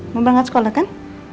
mau berangkat sekolah kan